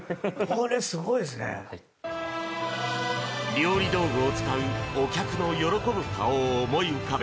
料理道具を使うお客の喜ぶ顔を思い浮かべ